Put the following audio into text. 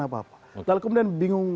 apa apa lalu kemudian bingung